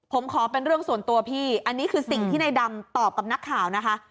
ผมขอเป็นเรื่องส่วนตัวพี่อันนี้คือสิ่งที่ในดำตอบกับนักข่าวนะคะ